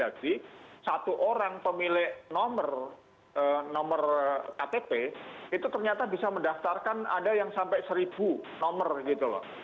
jadi satu orang pemilik nomor ktp itu ternyata bisa mendaftarkan ada yang sampai seribu nomor gitu loh